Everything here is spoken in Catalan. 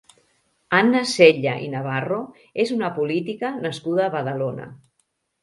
Anna Cella i Navarro és una política nascuda a Badalona.